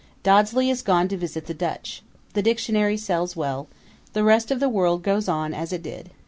Dodsley is gone to visit the Dutch. The Dictionary sells well. The rest of the world goes on as it did.